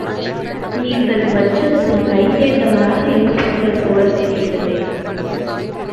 நீங்கள் வஞ்சகத்தில் கைதேர்ந்தவராக இருப்பீர்கள் போலத் தெரிகிறதே!